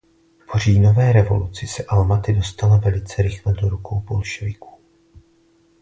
Po Říjnové revoluci se Almaty dostala velice rychle do rukou Bolševikům.